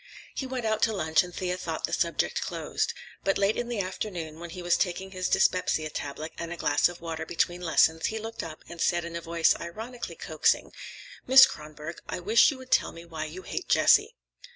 He went out to lunch and Thea thought the subject closed. But late in the afternoon, when he was taking his dyspepsia tablet and a glass of water between lessons, he looked up and said in a voice ironically coaxing:— "Miss Kronborg, I wish you would tell me why you hate Jessie."